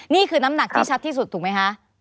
นี่คือน้ำหนักที่ชัดที่สุดถูกไหมคะ